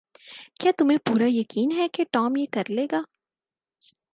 کیا تمہیں پورا یقین ہے کہ ٹام یہ کر لے گا؟